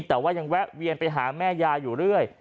แต่ว่ายังแวะเวียนไปหาแม่ยายอยู่เรื่อย